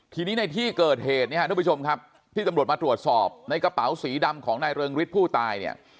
ทีนี้ในที่เกิดเหตุที่ตำรวจมาตรวจสอบในกระเป๋าสีดำของนายเริงฤทธิ์ผู้ตาย